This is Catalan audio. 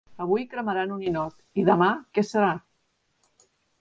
Avui cremaran un ninot i demà que serà?